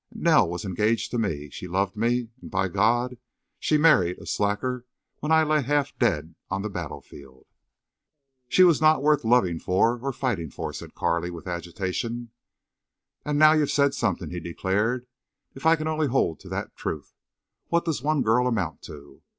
Nell was engaged to me—she loved me—and, by God! She married a slacker when I lay half dead on the battlefield!" "She was not worth loving or fighting for," said Carley, with agitation. "Ah! now you've said something," he declared. "If I can only hold to that truth! What does one girl amount to?